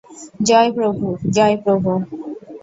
জয় প্রভু, জয় প্রভু।